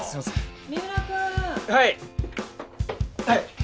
はい。